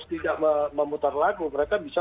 tidak memutar lagu mereka bisa